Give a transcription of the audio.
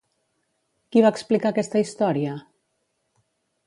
Qui va explicar aquesta història?